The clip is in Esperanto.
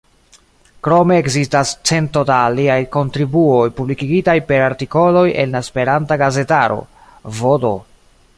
Krome ekzistas cento da aliaj kontribuoj publikigitaj per artikoloj en la Esperanta gazetaro, vd.